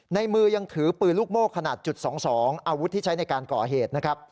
ในมือยังถือปืนลูกโม่ขนาดจุด๒๒อาวุธที่ใช้ในการก่อเหตุนะครับ